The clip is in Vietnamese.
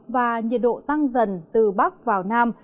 và nhiệt độ tăng dần từ bắc vào nam